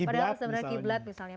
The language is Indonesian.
padahal sebenarnya kiblat misalnya